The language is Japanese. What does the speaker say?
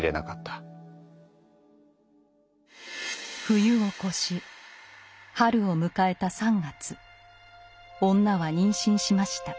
冬を越し春を迎えた３月女は妊娠しました。